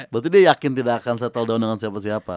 berarti dia yakin tidak akan settle down dengan siapa siapa